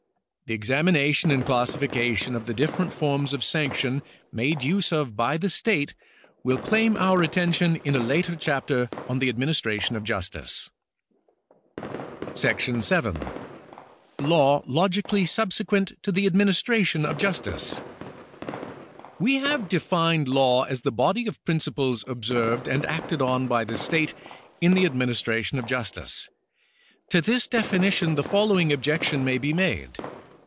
The examination and classification of the different forms of sanction made use of by the state will claim our attention in a later chapter on the administration of justice. § 7. Law Logically Subsequent to the Administration of Justice. We have defined law as the body of principles observed and acted on by the state in the administration of justice. To this definition the following objection may be made.